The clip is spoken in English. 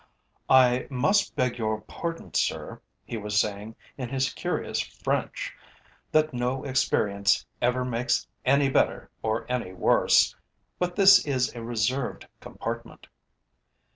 "I must beg your pardon, sir," he was saying in his curious French, that no experience ever makes any better or any worse, "but this is a reserved compartment."